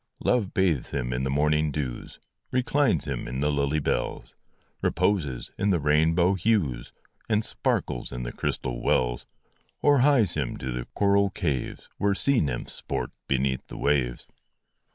Love bathes him in the morning dews, Reclines him in the lily bells, Reposes in the rainbow hues, And sparkles in the crystal wells, Or hies him to the coral caves, Where sea nymphs sport beneath the waves.